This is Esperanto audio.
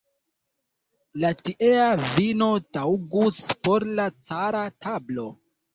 La tiea vino taŭgus por la cara tablo.